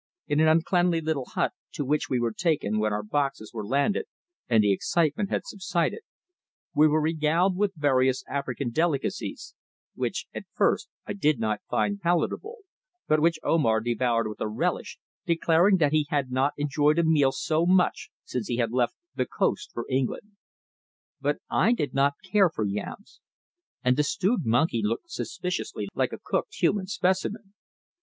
In an uncleanly little hut to which we were taken when our boxes were landed and the excitement had subsided, we were regaled with various African delicacies, which at first I did not find palatable, but which Omar devoured with a relish, declaring that he had not enjoyed a meal so much since he had left "the Coast" for England. But I did not care for yams, and the stewed monkey looked suspiciously like a cooked human specimen.